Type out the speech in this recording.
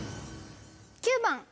９番。